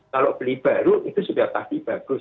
kalau beli baru itu sudah pasti bagus